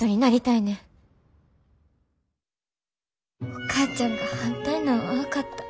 お母ちゃんが反対なんは分かった。